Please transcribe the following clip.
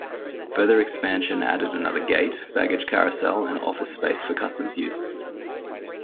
Further expansion added another gate, baggage carousel, and office space for customs use.